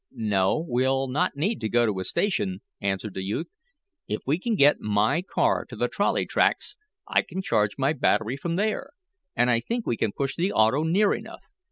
"No, we'll not need to go to a station," answered the youth. "If we can get my car to the trolley tracks I can charge my battery from there. And I think we can push the auto near enough.